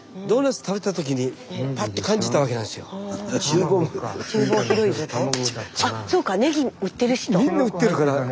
スタジオみんな売ってるから。